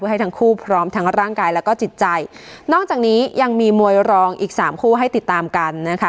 ให้ทั้งคู่พร้อมทั้งร่างกายแล้วก็จิตใจนอกจากนี้ยังมีมวยรองอีกสามคู่ให้ติดตามกันนะคะ